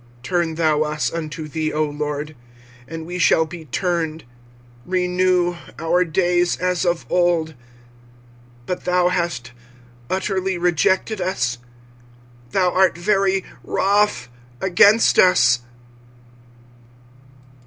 25:005:021 Turn thou us unto thee, O LORD, and we shall be turned; renew our days as of old. 25:005:022 But thou hast utterly rejected us; thou art very wroth against us.